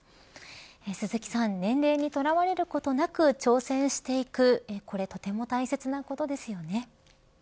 鈴木さん、年齢に捉われることなく挑戦していくこれ、とても大切なことですよね。